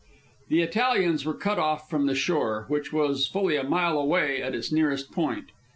The Italians were cut off from the shore, which was fully a mile away at its nearest point.